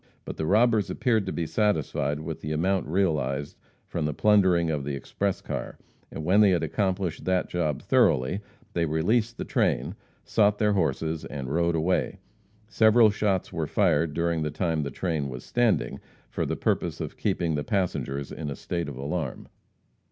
But the robbers appeared to be satisfied with the amount realized from the plundering of the express car, and when they had accomplished that job thoroughly, they released the train, sought their horses and rode away. Several shots were fired during the time the train was standing, for the purpose of keeping the passengers in a state of alarm.